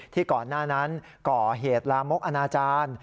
ก่อนหน้านั้นก่อเหตุลามกอนาจารย์